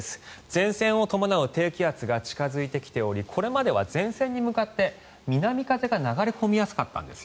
前線を伴う低気圧が近付いてきておりこれまでは前線に向かって南風が流れ込みやすかったんです。